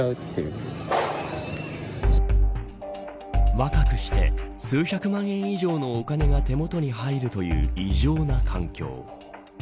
若くして数百万円以上のお金が手元に入るという異常な環境。